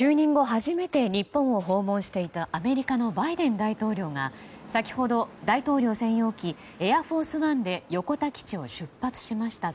初めて日本を訪問していたアメリカのバイデン大統領が先ほど、大統領専用機「エアフォースワン」で横田基地を出発しました。